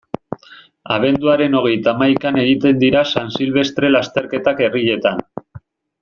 Abenduaren hogeita hamaikan egiten dira San Silvestre lasterketak herrietan.